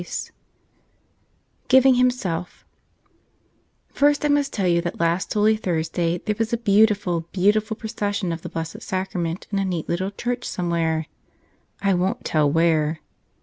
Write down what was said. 128 (Sitting himself fIRST I must tell you that last Holy Thursday there was a beautiful, beautiful procession of the Blessed Sacrament in a neat little church somewhere — I won't tell where